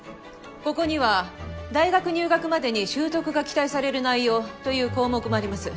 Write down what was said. ここには「大学入学までに習得が期待される内容」という項目もあります。